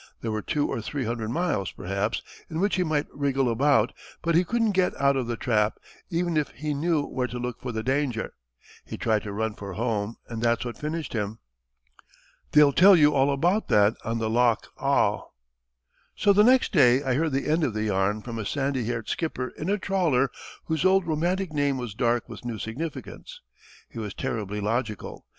There were two or three hundred miles, perhaps, in which he might wriggle about; but he couldn't get out of the trap, even if he knew where to look for the danger. He tried to run for home, and that's what finished him. They'll tell you all about that on the 'Loch Awe.'" So the next day I heard the end of the yarn from a sandy haired skipper in a trawler whose old romantic name was dark with new significance. He was terribly logical.